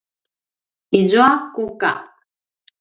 izua kuka